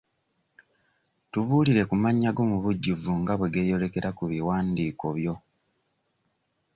Tubuulire ku mannya go mu bujjuvu nga bwe geeyolerekera ku biwandiiko byo.